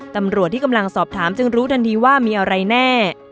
ตำรวจที่กำลังสอบถามจึงรู้ทันทีว่ามีอะไรแน่